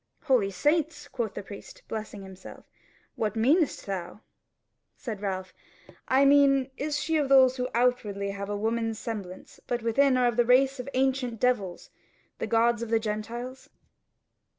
"Holy Saints!" quoth the priest, blessing himself, "what meanest thou?" Said Ralph: "I mean, is she of those who outwardly have a woman's semblance, but within are of the race of the ancient devils, the gods of the Gentiles?"